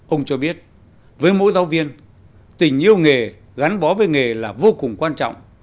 ông cho biết với mỗi giáo viên tình yêu nghề gắn bó với nghề là vô cùng quan trọng